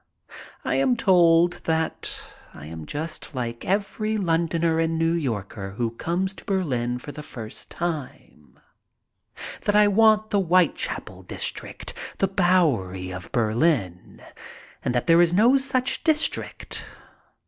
I am told that I am just like every Londoner and New Yorker who comes to Berlin for the first time; that I want the Whitechapel district, the Bowery of Berlin, and that there is no such district.